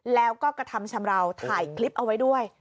แล้วก็กระทำชำราวถ่ายคลิปเอาไว้ด้วย